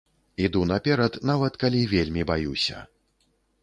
Іду наперад, нават калі вельмі баюся.